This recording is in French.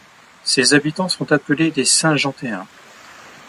Ses habitants sont appelés les Saint-Jeantéens.